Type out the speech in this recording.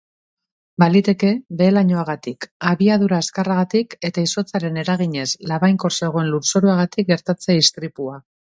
Baliteke behe-lainoagatik, abiadura azkarragatik eta izotzaren eraginez labainkor zegoen lur-zoruagatik gertatzea istripua.